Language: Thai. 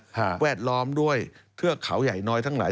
แวดล้อมด้วยเทือกเขาใหญ่น้อยทั้งหลาย